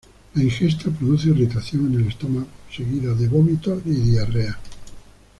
La ingesta produce irritación en el estómago, seguida de vómitos y diarrea.